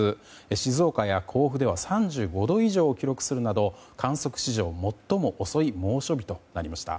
静岡や甲府では３５度以上を記録するなど観測史上最も遅い猛暑日となりました。